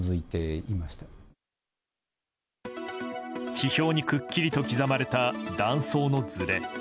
地表にくっきりと刻まれた断層のずれ。